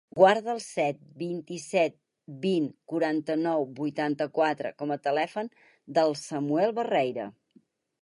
Guarda el set, vint-i-set, vint, quaranta-nou, vuitanta-quatre com a telèfon del Samuel Barreira.